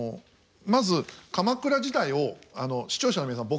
まず鎌倉時代を視聴者の皆さん